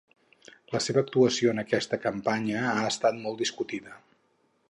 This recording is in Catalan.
La seva actuació en aquesta campanya ha estat molt discutida.